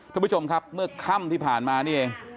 ถ้าผู้ชมครับเมื่อค่ำที่ผ่านมาที่นี่แห้ง